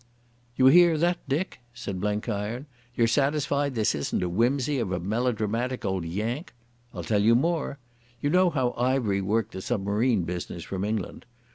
"You hear that, Dick," said Blenkiron. "You're satisfied this isn't a whimsy of a melodramatic old Yank? I'll tell you more. You know how Ivery worked the submarine business from England.